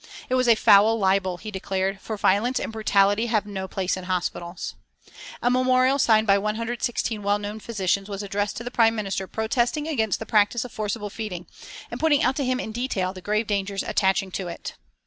It was a foul libel, he declared, for violence and brutality have no place in hospitals. A memorial signed by 116 well known physicians was addressed to the Prime Minister protesting against the practice of forcible feeding, and pointing out to him in detail the grave dangers attaching to it.